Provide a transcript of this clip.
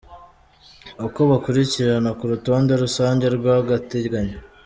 Uko bakurikirana ku rutonde rusange rw’agateganyo.